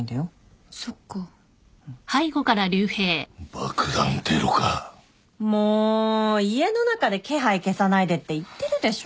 爆弾テロか。も家の中で気配消さないでって言ってるでしょ。